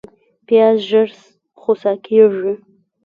پیاز ژر خوسا کېږي